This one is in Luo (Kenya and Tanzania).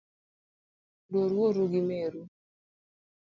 Luor wuoru gi meru